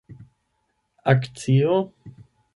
akcio